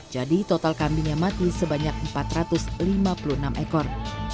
jadi total kambing yang mati sebanyak empat ratus lima puluh enam ekor